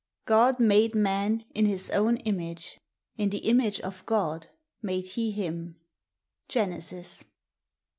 " God made man in His own image, In the image of God made Tit; him."— Genesis.